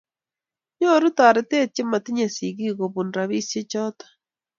Nyoru toretet che matinye sikiik kobun ropisiek choto